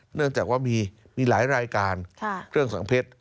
เนื่องจากว่ามีหลายรายการเครื่องสังเพชร